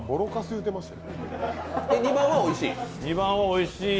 ２番はおいしい。